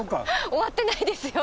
終わってないですよ。